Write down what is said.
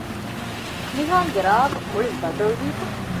ނިހާންގެ ރާގު މުޅިން ބަދަލުވީތަ؟